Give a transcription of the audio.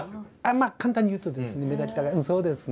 まあ簡単に言うとですね目立ちたがりうんそうですね。